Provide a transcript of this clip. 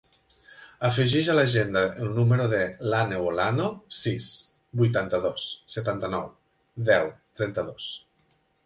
Afegeix a l'agenda el número de l'Àneu Olano: sis, vuitanta-dos, setanta-nou, deu, trenta-dos.